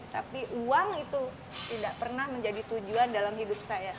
tapi uang itu tidak pernah menjadi tujuan dalam hidup saya